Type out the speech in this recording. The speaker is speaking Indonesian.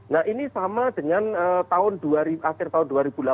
nah ini sama dengan akhir tahun dua ribu delapan belas